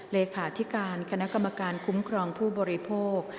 เลขาธิการคณะกรรมการคุ้มครองผู้บริโภค